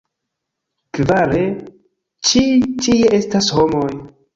Kvare, ĉi tie estas homoj.